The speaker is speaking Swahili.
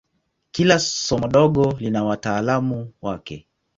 Kila somo dogo lina wataalamu wake.